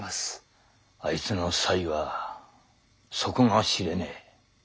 あいつの才は底が知れねえ。